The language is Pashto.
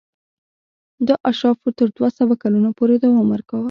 دا اشرافو تر دوه سوه کلونو پورې دوام ورکاوه.